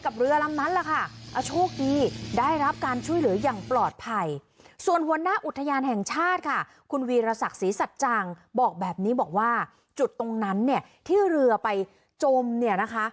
บอกว่าจุดตรงนั้นเนี่ยที่เรือไปจมเนี่ยนะคะ